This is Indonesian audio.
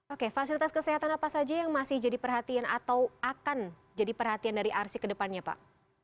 oke fasilitas kesehatan apa saja yang masih jadi perhatian atau akan jadi perhatian dari arsi ke depannya pak